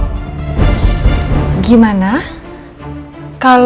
terima kasih linde